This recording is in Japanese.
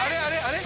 あれ？